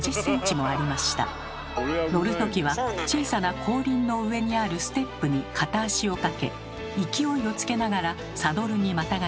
乗るときは小さな後輪の上にあるステップに片足をかけ勢いをつけながらサドルにまたがります。